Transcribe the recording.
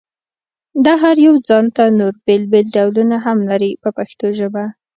دا هر یو ځانته نور بېل بېل ډولونه هم لري په پښتو ژبه.